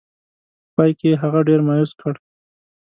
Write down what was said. په پای کې یې هغه ډېر مایوس کړ.